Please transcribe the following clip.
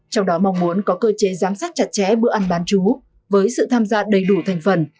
trong đó mong muốn có cơ chế giám sát chặt chẽ bữa ăn bán chú với sự tham gia đầy đủ thành phần